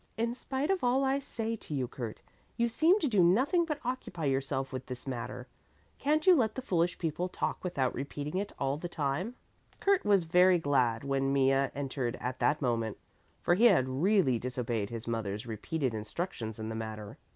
In spite of all I say to you, Kurt, you seem to do nothing but occupy yourself with this matter. Can't you let the foolish people talk without repeating it all the time?" Kurt was very glad when Mea entered at that moment, for he had really disobeyed his mother's repeated instructions in the matter.